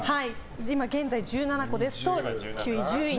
今現在１７個ですと９位、１０位に。